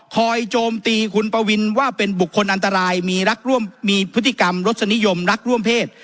คอยโจมตีคุณปวินว่าเป็นบุคคลอันตรายมีพฤติกรรมรถสนิยมรักร่วมเพศ